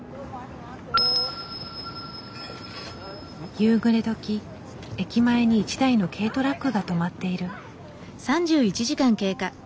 夕暮れどき駅前に一台の軽トラックが止まっている。